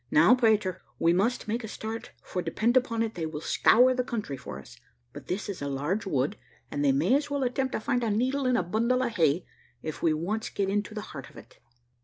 "Now, Peter, we must make a start, for depend upon it, they will scour the country for us; but this is a large wood, and they may as well attempt to find a needle in a bundle of hay, if we once get into the heart of it."